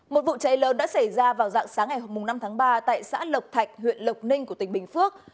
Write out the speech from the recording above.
một vụ cháy lớn đã xảy ra vào dạng sáng ngày hôm năm tháng ba tại xã lộc thạch huyện lộc ninh của tỉnh bình phước